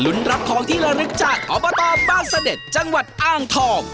รับของที่ระลึกจากอบตบ้านเสด็จจังหวัดอ้างทอง